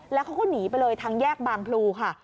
แล้วเขาก็หนีไปเลยทางแยกบางพลูค่ะ